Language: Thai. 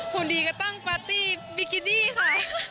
คนดีก็ตั้งปาร์ตี้บิกินี่ค่ะ